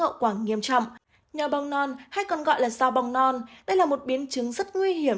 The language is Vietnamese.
hậu quả nghiêm trọng nhò bong non hay còn gọi là sao bong non đây là một biến chứng rất nguy hiểm